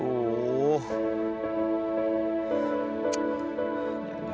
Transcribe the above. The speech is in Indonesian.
uang dari rumah